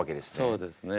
そうですね。